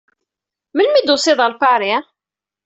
Melmi ay d-tusiḍ ɣer Paris?